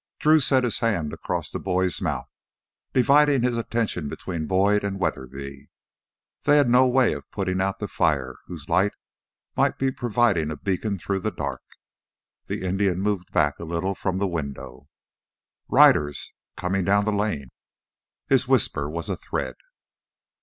Drew set his hand across the boy's mouth, dividing his attention between Boyd and Weatherby. They had no way of putting out the fire, whose light might be providing a beacon through the dark. The Indian moved back a little from the window. "Riders ... coming down the lane." His whisper was a thread.